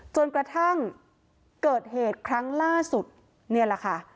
จนกระทั่งเกิดเหตุครั้งล่าสุดนี่แหละค่ะ